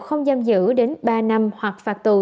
không giam giữ đến ba năm hoặc phạt tù